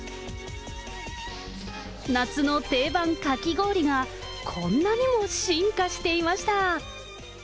夏の定番かき氷が、こんなにも進化していました。